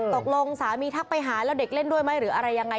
ตกลงสามีทักไปหาแล้วเด็กเล่นด้วยไหมหรืออะไรยังไง